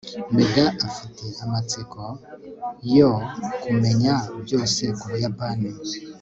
meg afite amatsiko yo kumenya byose ku buyapani